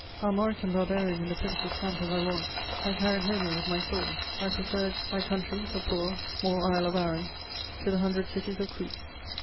_ Armorican barbarian in the Princes' camp as I was, I carried Homer with my sword; I preferred "my country, the poor, small isle of Aaron, to the hundred cities of Crete."